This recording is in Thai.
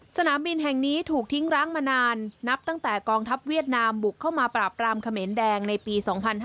สนามบินแห่งนี้ถูกทิ้งร้างมานานนับตั้งแต่กองทัพเวียดนามบุกเข้ามาปราบรามเขมรแดงในปี๒๕๕๙